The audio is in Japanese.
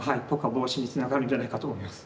防止につながるんじゃないかと思います。